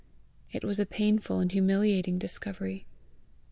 It was a painful and humiliating discovery.